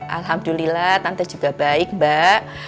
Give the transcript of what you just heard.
alhamdulillah tante juga baik mbak